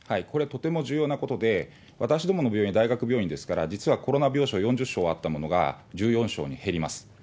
これはとても重要なことで、私どもの病院は、大学病院ですから、実はコロナ病床、４０床あったものが１４床に減ります。